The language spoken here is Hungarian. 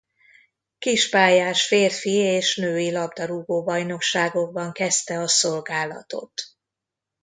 Kispályás férfi és női labdarúgó-bajnokságokban kezdte a szolgálatot.